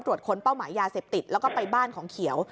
ค้นเป้าหมายยาเสพติดแล้วก็ไปบ้านของเขียว